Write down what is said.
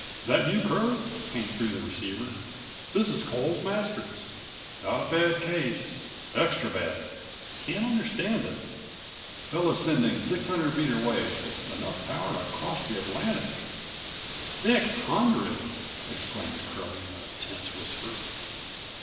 That you, Curlie?" came through the receiver. "This is Coles Masters. Got a bad23 case—extra bad. Can't understand it. Fellow's sending 600 meter waves, with enough power to cross the Atlantic." "Six hundred!" exclaimed Curlie in a tense whisper.